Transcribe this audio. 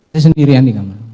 saya sendirian di kamar